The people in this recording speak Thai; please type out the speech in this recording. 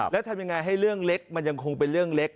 แล้วทำยังไงให้เรื่องเล็กมันยังคงเป็นเรื่องเล็ก